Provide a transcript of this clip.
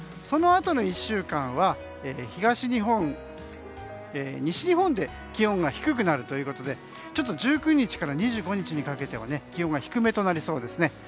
そのあとの１週間は西日本で気温が低くなるということで１９日から２５日にかけては気温が低めとなりそうです。